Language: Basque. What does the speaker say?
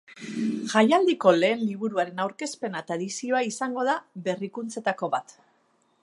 Jaialdiko lehen liburuaren aurkezpena eta edizioa izango da berrikuntzetako bat.